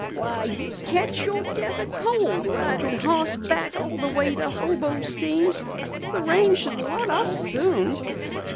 Why, you'd catch your death o' cold ridin' hoss back all the way to Hobostein." "The rain should let up soon."